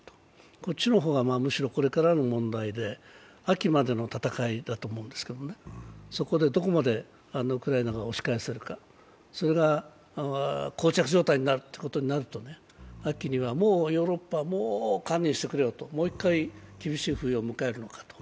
こっちの方がむしろこれからの問題で秋までの戦いだと思いますけどそこでどこまでウクライナが押し返せるか、それがこう着状態になると、秋にはヨーロッパは、もう観念してくれよと、もう一回厳しい冬を迎えるのかと。